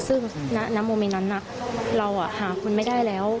ซึ่งณมนั้นเราหาคุณไม่ได้แล้ว